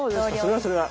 それはそれは。